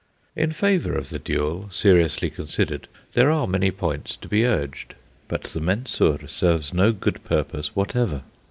In favour of the duel, seriously considered, there are many points to be urged. But the Mensur serves no good purpose whatever.